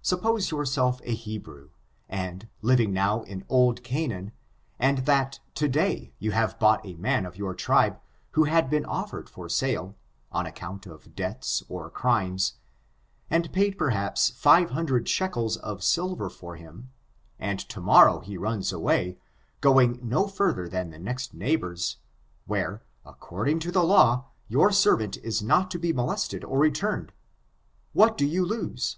Suppose yourself a Hebrew, and living now 14 I / 314 ORIGIN, CHARACTER, AND In old Canaan, and that, to day ^ you have bought a man of your tribe, who had been offered for sale, on account of debts or crimes, and paid, perhaps, five hundred shekels of silver for him, and to morrow he runs away, going no further than to the nelt neigh bor's, where, according to the law, your servant is not to be molested or returned — what do you lose?